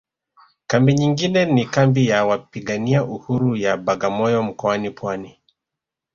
Kambi nyingine ni kambi ya wapigania uhuru ya Bagamoyo mkoani Pwani